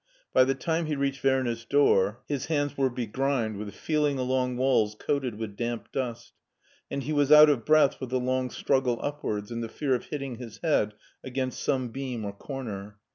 By the time he reached Werner's door his hands were begrimed with feeling along walls coated with damp dust, and he was out of breath with the long struggle upwards and the fear of hitting his head against some beam or comer.